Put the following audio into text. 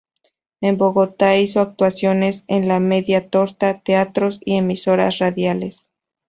En Bogotá hizo actuaciones en la Media Torta, teatros y emisoras radiales.